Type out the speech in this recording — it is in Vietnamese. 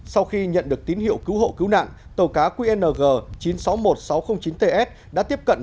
sau khi nhận được tín hiệu cứu hộ cứu nạn tàu cá qng chín trăm sáu mươi một nghìn sáu trăm linh chín ts đã tiếp cận